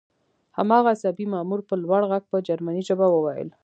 هماغه عصبي مامور په لوړ غږ په جرمني ژبه وویل